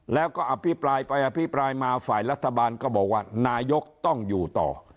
แล้วก็อภิปรายไปอภิปรายมาฝ่ายรัฐบาลก็บอกว่านายกต้องอยู่ต่อ